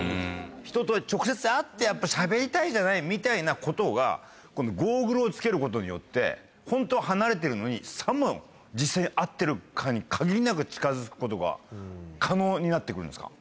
人と直接会ってやっぱしゃべりたいじゃない？みたいなことがゴーグルを着けることによってホントは離れてるのにさも実際に会ってるかに限りなく近づくことが可能になって来るんですか？